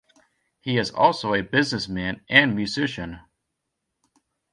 He is also a businessman and musician.